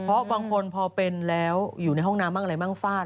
เพราะบางคนพอเป็นแล้วอยู่ในห้องน้ำบ้างอะไรมั่งฟาด